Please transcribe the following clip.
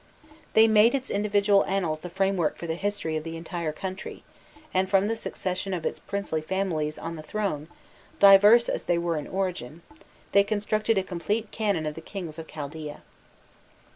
They made its individual annals the framework for the history of the entire country, and from the succession of its princely families on the throne, diverse as they were in origin, they constructed a complete canon of the kings of Chaldaea.